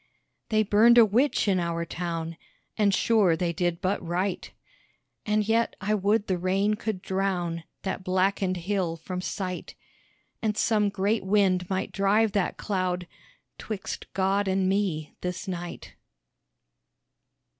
They burned a witch in our town, And sure they did but right, And yet I would the rain could drown That blackened hill from sight, And some great wind might drive that cloud _'Twixt God and me this night.